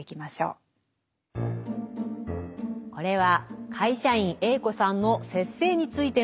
これは会社員Ａ子さんの「節制」についてのお話です。